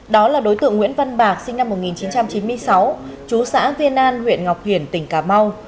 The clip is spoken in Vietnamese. đó là đối tượng nguyễn văn bạc sinh năm một nghìn chín trăm chín mươi sáu chú xã viên an huyện ngọc hiển tỉnh cà mau